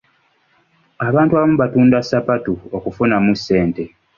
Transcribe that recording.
Abantu abamu batunda ssapatu okufunamu ssente.